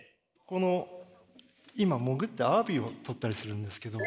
この今潜ってアワビを採ったりするんですけど。